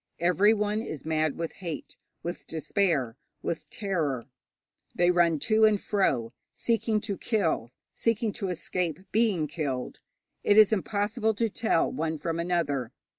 Everyone is mad with hate, with despair, with terror. They run to and fro, seeking to kill, seeking to escape being killed. It is impossible to tell one from another.